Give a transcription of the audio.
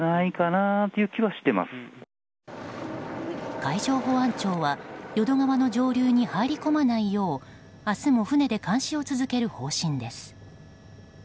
海上保安庁は淀川の上流に入り込まないよう明日も船で監視を続ける方針です。